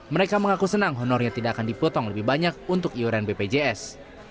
mereka mengaku senang honornya tidak akan dipotong lebih banyak untuk iuran bpjs